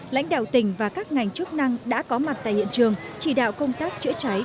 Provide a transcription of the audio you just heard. lãnh đạo tỉnh và các ngành chức năng đã có mặt tại hiện trường chỉ đạo công tác chữa cháy